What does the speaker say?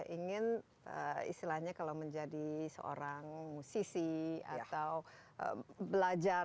ingin istilahnya kalau menjadi seorang musisi atau belajar